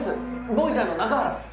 ボイジャーの中原っす。